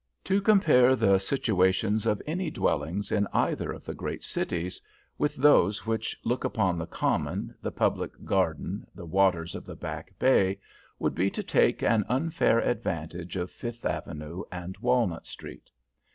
To compare the situations of any dwellings in either of the great cities with those which look upon the Common, the Public Garden, the waters of the Back Bay, would be to take an unfair advantage of Fifth Avenue and Walnut Street.